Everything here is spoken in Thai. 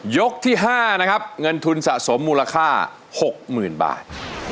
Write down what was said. ยกที่๕นะครับเงินทุนสะสมมูลค่า๖๐๐๐บาท